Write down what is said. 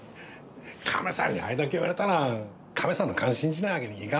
カメさんにあれだけ言われたらカメさんの勘信じないわけにいかないですよ。